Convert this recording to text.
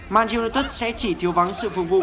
manchester united sẽ chỉ thiếu vắng sự phục vụ